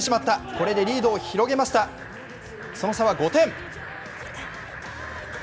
これでリードを広げましたその差は５点。